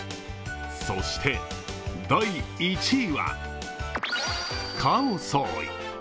そして第１位は、カオソーイ。